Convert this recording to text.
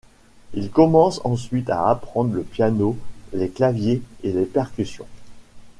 Il commence ensuite à apprendre le piano, les claviers et les percussions.